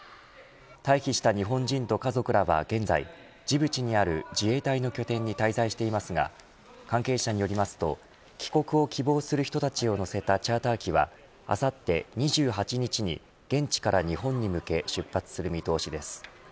退避した日本人と家族らは、現在ジブチにある自衛隊の拠点に滞在していますが関係者によりますと帰国を希望する人たちを乗せたチャーター機があさって２８日に現地から日本に向け出発する見通しです。